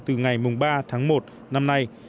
từ ngày ba tháng một năm nay